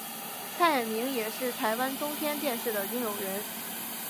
蔡衍明也是台湾中天电视的拥有人。